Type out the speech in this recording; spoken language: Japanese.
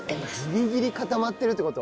ギリギリ固まってるっていう事？